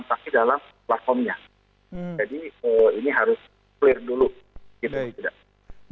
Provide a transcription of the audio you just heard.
jadi ini harus clear dulu